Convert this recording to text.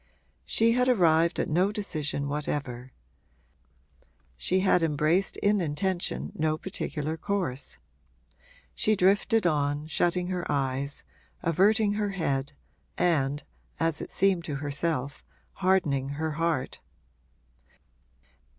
She had arrived at no decision whatever; she had embraced in intention no particular course. She drifted on, shutting her eyes, averting her head and, as it seemed to herself, hardening her heart.